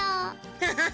ハハハ